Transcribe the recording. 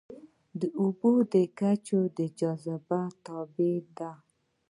د اوبو کچه د جاذبې تابع ده.